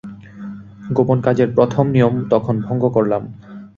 গোপন কাজের প্রথম নিয়ম তখন ভঙ্গ করলাম।